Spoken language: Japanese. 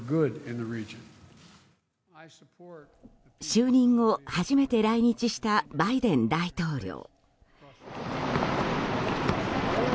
就任後初めて来日したバイデン大統領。